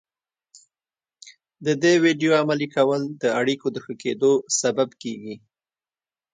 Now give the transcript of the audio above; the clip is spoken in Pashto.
د دې ويډيو عملي کول د اړيکو د ښه کېدو سبب کېږي.